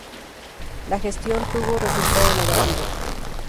La gestión tuvo resultado negativo.